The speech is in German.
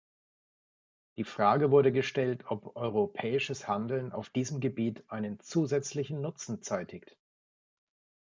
Die Frage wurde gestellt, ob europäisches Handeln auf diesem Gebiet einen zusätzlichen Nutzen zeitigt.